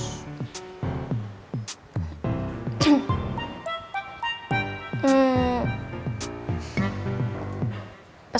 untuk pembaca buletin kampus